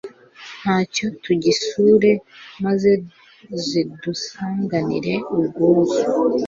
Ntacyo tugisure maze zidusanganize ubwuzu